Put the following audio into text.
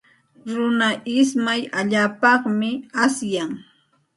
Runa ismay allaapaqmi asyan.